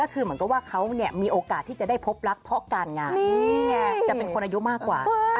ก็คือเหมือนกับว่าเขามีโอกาสที่จะได้พบรักเพราะการงานจะเป็นคนอายุมากกว่า